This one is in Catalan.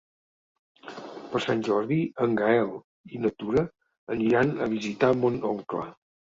Per Sant Jordi en Gaël i na Tura aniran a visitar mon oncle.